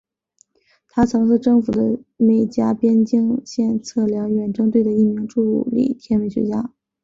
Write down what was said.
他曾是政府的美加边境线测量远征队的一名助理天文学家。